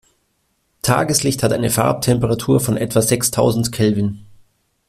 Tageslicht hat eine Farbtemperatur von etwa sechstausend Kelvin.